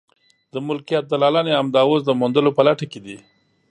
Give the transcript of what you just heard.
د ملکیت دلالان یې همدا اوس د موندلو په لټه کې دي.